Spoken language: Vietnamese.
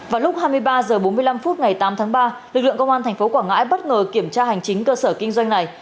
vào lúc hai mươi ba h bốn mươi năm phút ngày tám tháng ba lực lượng công an tp quảng ngãi bất ngờ kiểm tra hành chính cơ sở kinh doanh này